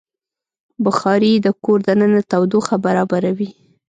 بخاري د کور دننه تودوخه برابروي.